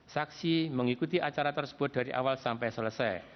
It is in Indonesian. saksi mengikuti acara tersebut dari awal sampai selesai